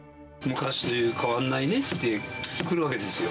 昔と変わらないねって、来るわけですよ。